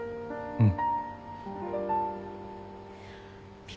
うん。